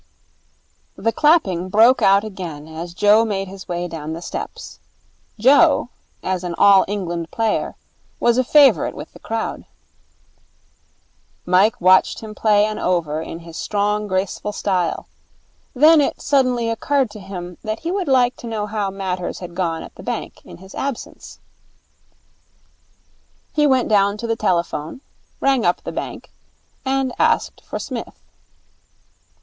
The clapping broke out again as Joe made his way down the steps. Joe, as an All England player, was a favourite with the crowd. Mike watched him play an over in his strong, graceful style: then it suddenly occurred to him that he would like to know how matters had gone at the bank in his absence. He went down to the telephone, rang up the bank, and asked for Psmith.